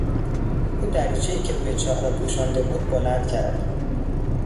او دریچهای که روی چاه را پوشانده بود بلند کرد.